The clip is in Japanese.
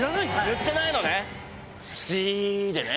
言ってないのね！